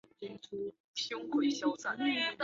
鼎湖青冈为壳斗科青冈属下的一个种。